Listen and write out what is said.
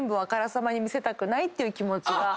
ていう気持ちが。